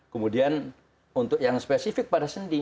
kemudian untuk yang spesifik pada sendi